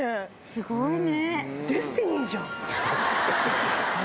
すごいね。